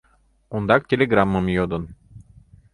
Ондак телеграммым йодын.